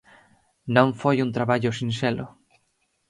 Non foi un traballo sinxelo.